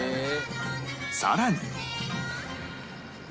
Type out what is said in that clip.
さらに